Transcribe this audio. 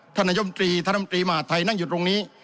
ธนโยมตรีธนตรีมาร์ไทนั่งอยู่ตรงนี้